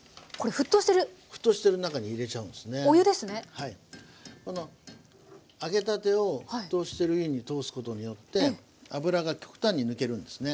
はいこの揚げたてを沸騰してる湯に通すことによって油が極端に抜けるんですね。